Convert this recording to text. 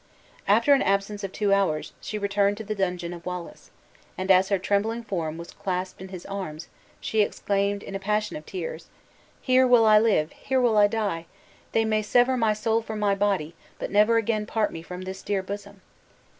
After an absence of two hours, she returned to the dungeon of Wallace: and as her trembling form was clasped in his arms, she exclaimed, in a passion of tears: "Here will I live, here will I die! They may sever my soul from my body, but never again part me from this dear bosom!"